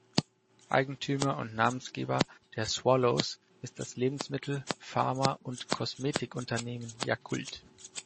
Eigentümer und Namensgeber der Swallows ist das Lebensmittel-, Pharma- und Kosmetikunternehmen Yakult.